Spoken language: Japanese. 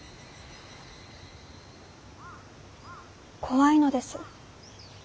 怖いのです。